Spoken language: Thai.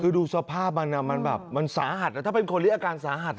คือดูสภาพมันมันแบบมันสาหัสถ้าเป็นคนที่อาการสาหัส